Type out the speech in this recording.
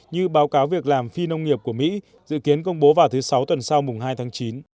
như báo cáo việc làm phi nông nghiệp của mỹ dự kiến công bố vào thứ sáu tuần sau mùng hai tháng chín